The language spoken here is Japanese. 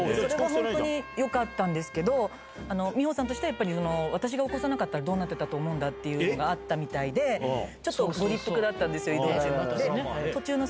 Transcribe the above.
それも本当によかったんですけど、美穂さんとしては、やっぱり私が起こさなかったらどうなってたと思うんだ？っていうのがあったみたいで、ちょっとご立腹だったんですよ、移動中。